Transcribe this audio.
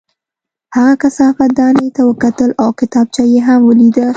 هغه کثافت دانۍ ته وکتل او کتابچه یې هم ولیده